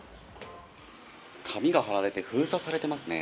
紙が貼られて封鎖されてますね。